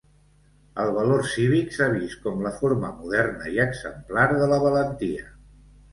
El valor cívic s'ha vist com la forma moderna i exemplar de la valentia.